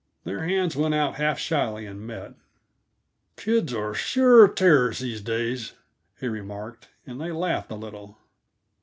Their hands went out half shyly and met. "Kids are sure terrors, these days," he remarked, and they laughed a little.